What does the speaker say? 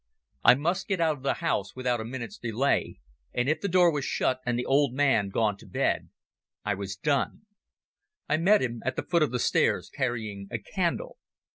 I must get out of the house without a minute's delay, and if the door was shut and the old man gone to bed I was done. I met him at the foot of the stairs, carrying a candle.